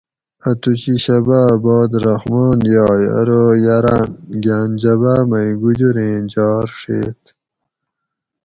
اۤتوشی شباۤ اۤ باد رحمٰن یائ ارو یاۤراۤن گاۤن جباۤ مئ گُجُر ایں جار ڛیت